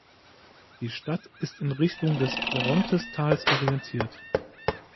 Die Stadt ist in Richtung des Orontes-Tals orientiert.